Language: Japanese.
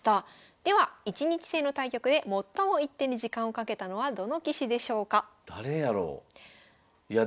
では一日制の対局で最も１手に時間をかけたのはどの棋士でしょうか？